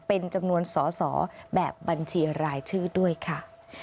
เป็นจำนวนสอสอแบบบัญชีรายชื่อด้วยค่ะ